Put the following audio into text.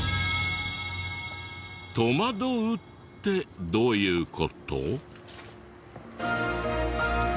戸惑うってどういう事？